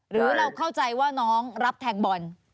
หรือเราเข้าใจว่าน้องรับแทงบอล